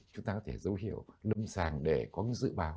chúng ta có thể dấu hiệu lâm sàng để có cái dự báo